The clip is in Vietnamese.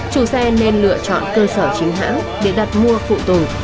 chủ xe nên lựa chọn cơ sở chính hãng để đặt mua phụ tùng